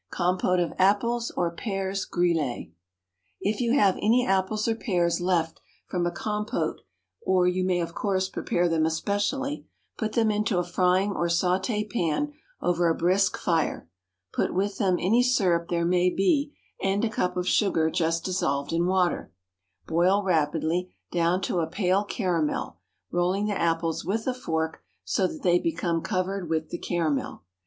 Compote of Apples or Pears Grillé. If you have any apples or pears left from a compote (or you may, of course, prepare them especially), put them into a frying or sauté pan over a brisk fire; put with them any syrup there may be and a cup of sugar just dissolved in water; boil rapidly down to a pale caramel, rolling the apples with a fork so that they become covered with the caramel.